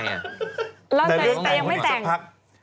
ลองใจแต่ยังไม่แต่งแต่เรือนหออีกสักพัก